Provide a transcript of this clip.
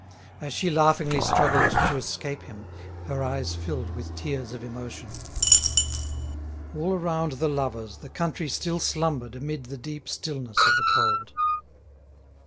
As she laughingly struggled to escape him, her eyes filled with tears of emotion. All around the lovers the country still slumbered amid the deep stillness of the cold.